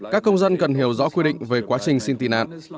các công dân cần hiểu rõ quy định về quá trình xin tị nạn